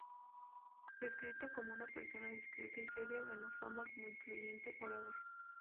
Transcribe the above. Descrito como una persona discreta y seria, ganó fama como influyente orador.